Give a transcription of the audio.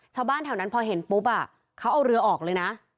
ชาวบ้านแถวนั้นพอเห็นปุ๊บเขาเอาเรือออกเลยนะ